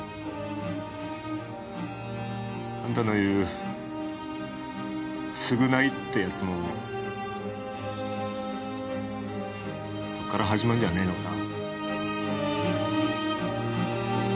あんたの言う償いってやつもそこから始まるんじゃねえのか。